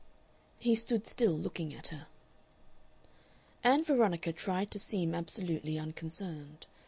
He stood still, looking at her. Ann Veronica tried to seem absolutely unconcerned.